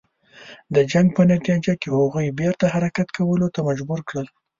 د جنګ په نتیجه کې هغوی بیرته حرکت کولو ته مجبور کړل.